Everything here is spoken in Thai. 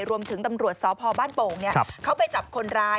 ตำรวจสพบ้านโป่งเขาไปจับคนร้าย